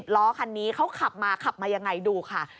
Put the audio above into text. ล้อคันนี้เขาขับมาขับมายังไงดูค่ะ